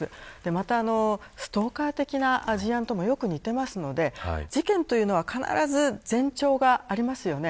また、ストーカー的な事案ともよく似ているので事件というのは必ず前兆がありますよね。